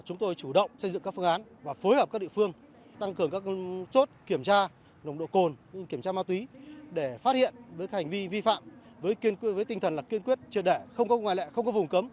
chúng tôi chủ động xây dựng các phương án và phối hợp các địa phương tăng cường các chốt kiểm tra lồng độ cồn kiểm tra ma túy để phát hiện hành vi vi phạm với tinh thần kiên quyết chưa đẻ không có ngoài lệ không có vùng cấm